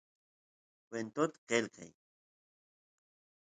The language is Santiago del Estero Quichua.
kwentot qelqay